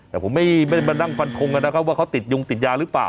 แต่ผมไม่ได้มานั่งฟันทงกันนะครับว่าเขาติดยงติดยาหรือเปล่า